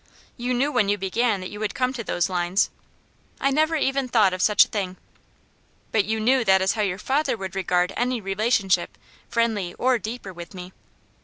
"You knew when you began that you would come to those lines." "I never even thought of such a thing." "But you knew that is how your father would regard any relationship, friendly or deeper, with me!"